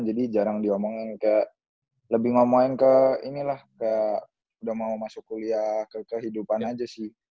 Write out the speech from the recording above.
jadi jarang diomongin ke lebih ngomongin ke inilah kayak udah mau masuk kuliah kehidupan aja sih